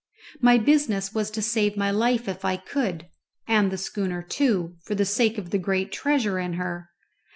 My business was to save my life if I could, and the schooner too, for the sake of the great treasure in her.